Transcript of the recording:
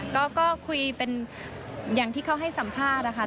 ก็คุยเป็นอย่างที่เขาให้สัมภาษณ์นะคะ